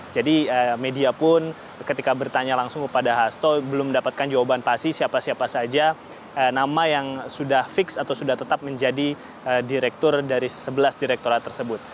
jadi media pun ketika bertanya langsung kepada hasto belum mendapatkan jawaban pasti siapa siapa saja nama yang sudah fix atau sudah tetap menjadi direktur dari sebelas direkturat tersebut